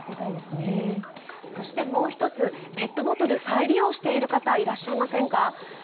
そしてもう一つ、ペットボトル、再利用している方いらっしゃいませんか？